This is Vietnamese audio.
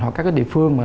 hoặc các địa phương